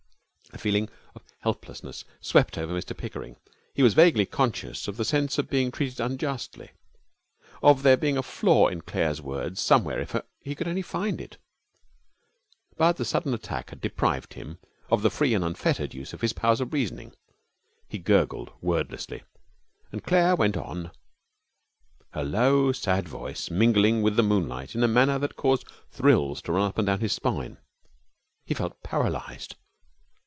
A feeling of helplessness swept over Mr Pickering. He was vaguely conscious of a sense of being treated unjustly, of there being a flaw in Claire's words somewhere if he could only find it, but the sudden attack had deprived him of the free and unfettered use of his powers of reasoning. He gurgled wordlessly, and Claire went on, her low, sad voice mingling with the moonlight in a manner that caused thrills to run up and down his spine. He felt paralyzed.